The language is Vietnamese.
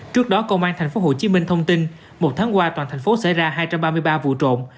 trước đó công an tp hcm thông tin một tháng qua toàn thành phố xảy ra hai trăm ba mươi ba vụ trộm